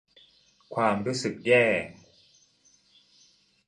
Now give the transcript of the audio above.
ความรู้สึกแย่